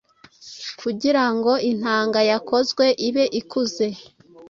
Kugirango intanga yakozwe ibe ikuze